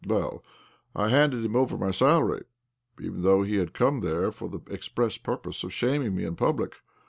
' Well, I handed him over my salary, even though he had come there for the express purpose of shaming me in public.